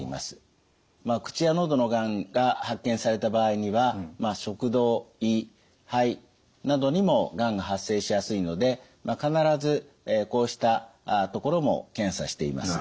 口や喉のがんが発見された場合には食道・胃・肺などにもがんが発生しやすいので必ずこうしたところも検査しています。